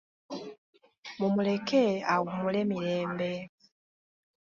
Mumuleke awummule mirembe.